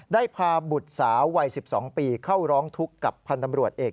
ได้พาบุตรสาววัย๑๒ปีเข้าร้องทุกข์กับพันธ์ตำรวจเอก